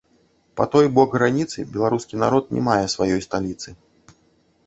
Па той бок граніцы беларускі народ не мае сваёй сталіцы.